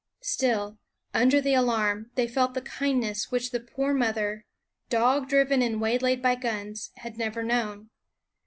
Still, under the alarm, they felt the kindness which the poor mother, dog driven and waylaid by guns, had never known.